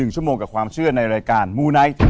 ชั่วโมงกับความเชื่อในรายการมูไนท์